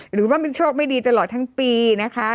หรือว่ามันโชคไม่ดีตลอดทั้งปีนะคะ